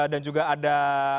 dan juga ada